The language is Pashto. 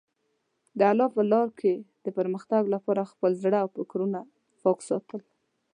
د الله په لاره کې د پرمختګ لپاره خپل زړه او فکرونه پاک ساتل.